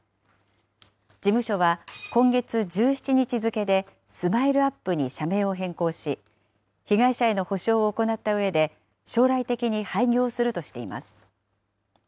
事務所は今月１７日付でＳＭＩＬＥーＵＰ．に社名を変更し、被害者への補償を行ったうえで、将来的に廃業するとしています。